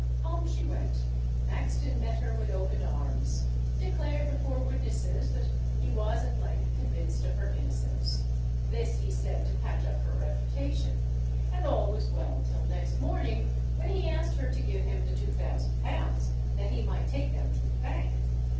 Home she went:—Maxton met her with open arms—declared before witnesses that he was at length convinced of her innocence—(this he said to patch up her reputation)—and all was well till next morning, when he asked her to give him the two thousand pounds, that he might take them to the Bank.